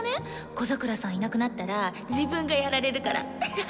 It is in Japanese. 小桜さんいなくなったら自分がやられるから。